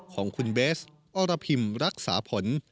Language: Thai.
ของคุณเบสอรพิมรักษาผล